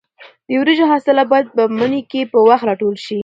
د وریژو حاصلات باید په مني کې په وخت راټول شي.